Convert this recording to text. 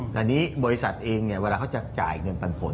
แต่นี้บริษัทเองเนี่ยเวลาเขาจะจ่ายเงินปันผล